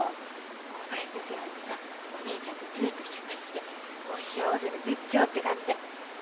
小林先生なんてさお姉ちゃんとデュエットしちゃったりしてもう幸せの絶頂って感じで。